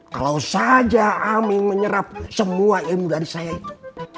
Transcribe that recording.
kalau saja amin menyerap semua ilmu dari saya itu